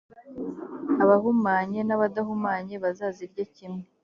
abahumanye n’abadahumanye bazazirye kimwe.